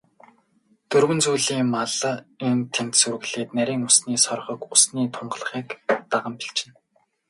Дөрвөн зүйлийн мал энд тэнд сүрэглээд, нарийн өвсний соргог, усны тунгалгийг даган бэлчинэ.